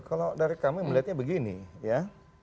kalau dari kami melihatnya begini ya